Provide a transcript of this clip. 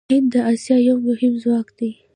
هند د اسیا یو مهم ځواک دی.